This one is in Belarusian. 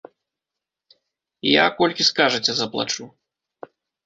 Я, колькі скажаце, заплачу.